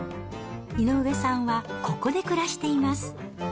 井上さんはここで暮らしています。